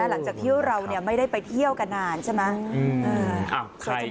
หลังจากที่เราไม่ได้ไปเที่ยวกันนานใช่ไหม